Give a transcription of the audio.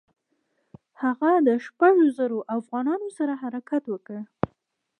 هغه د شپږو زرو اوغانانو سره حرکت وکړ.